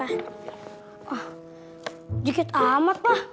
wah dikit amat pa